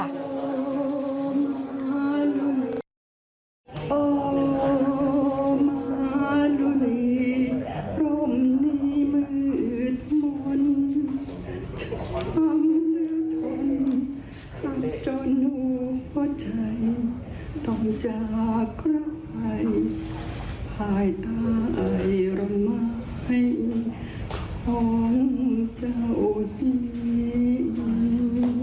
ร่มนี้มืดมนต์ช้ำเนื้อท่อนใกล้จนหัวใจต้องจะไกลภายใต้ระม่ายของเจ้าดีมัน